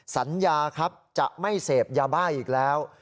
สัญญาครับจะไม่เสพยาบ้าอีกแล้ว